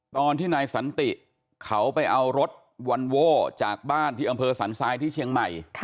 ตอนที่นายสันติเขาไปเอารถวอนโว้จากบ้านที่อำเภอสันทรายที่เชียงใหม่